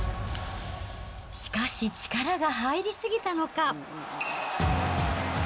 しかし力が入り過ぎたのか。